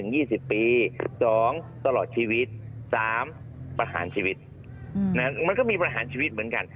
๑ยี่สิบปี๒ตลอดชีวิต๓ประหารชีวิตมันก็มีประหารชีวิตเหมือนกัน